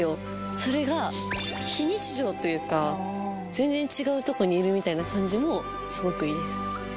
それが非日常というか全然違うとこにいるみたいな感じもすごくいいです